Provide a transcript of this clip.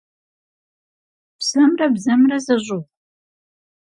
Псэмрэ бзэмрэ зэщӀыгъу?